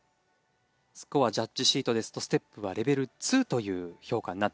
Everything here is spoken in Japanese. スコアジャッジシートですとステップはレベル２という評価になっています。